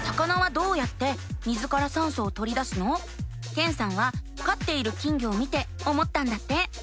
けんさんはかっている金魚を見て思ったんだって。